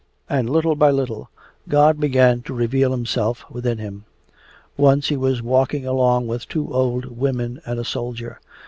And little by little God began to reveal Himself within him. Once he was walking along with two old women and a soldier.